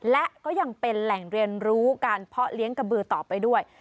และก็ยังเป็นแหล่งเรียนรู้การเพาะเลี้ยงกระบือต่อไปด้วย